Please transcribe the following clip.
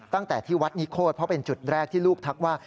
ตั้งแต่ที่วัดนิโคตรเพราะเป็นจุดแรกที่ลูกทักว่า